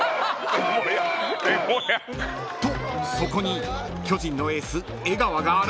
［とそこに巨人のエース江川が現れると］